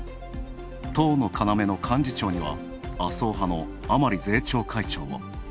党の要の幹事長には麻生派の甘利税調会長も。